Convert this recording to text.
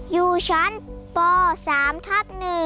อยู่ชั้นป๓ทับ๑